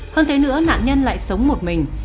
hơn thế nữa nạn nhân lại sống một mình